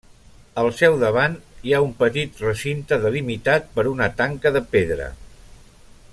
Al seu davant hi ha un petit recinte delimitat per una tanca de pedra.